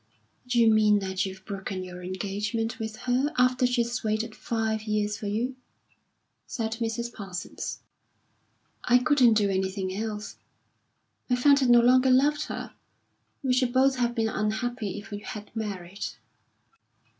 "D'you mean that you've broken your engagement with her after she's waited five years for you?" said Mrs. Parsons. "I couldn't do anything else. I found I no longer loved her. We should both have been unhappy if we had married."